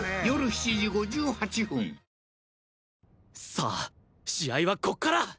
さあ試合はここから！